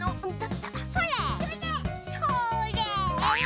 それ！